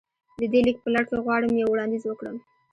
د دې ليک په لړ کې غواړم يو وړانديز وکړم.